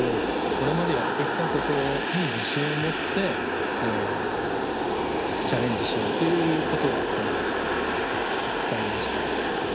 これまでやってきたことに自信を持ってチャレンジしようということは伝えました。